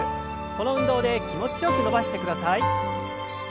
この運動で気持ちよく伸ばしてください。